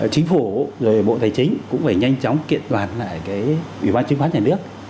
chính phủ rồi bộ tài chính cũng phải nhanh chóng kiện toàn lại cái ủy ban chứng khoán nhà nước